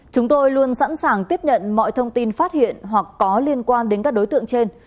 chúng tôi luôn sẵn sàng tiếp nhận mọi thông tin phát hiện hoặc có liên quan đến các đối tượng trên